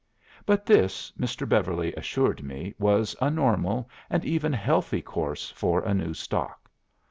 But this, Mr. Beverly assured me, was a normal and even healthy course for a new stock.